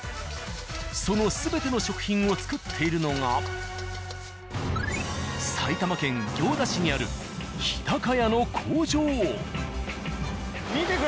その全ての食品を作っているのが埼玉県行田市にある「日高屋」の工場。